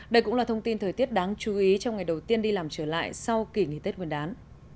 đây cũng là thông tin thời tiết đáng chú ý trong ngày đầu tiên đi làm trở lại sau kỳ nghỉ tết nguyên đán